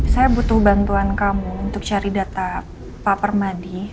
saya butuh bantuan kamu untuk cari data pak permadi